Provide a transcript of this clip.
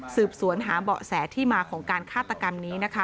สืบสวนหาเบาะแสที่มาของการฆาตกรรมนี้นะคะ